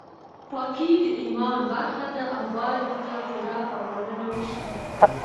پاکي د ایمان برخه ده او باید ورته پوره پاملرنه وشي.